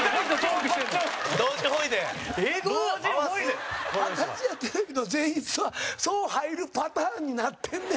『明石家電視台』の前室はそう入るパターンになってんねん。